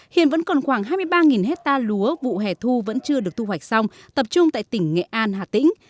hiện vẫn còn khoảng hai mươi ba hectare lúa vụ hẻ thu vẫn chưa được thu hoạch xong tập trung tại tỉnh nghệ an hà tĩnh